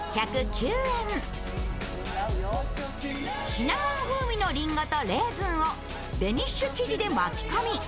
シナモン風味のりんごとレーズンをデニッシュ生地で巻き込み